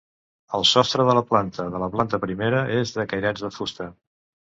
El sostre de la planta de la planta primera és de cairats de fusta.